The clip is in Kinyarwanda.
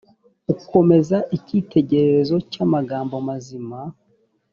ukomeze icyitegererezo cy amagambo mazima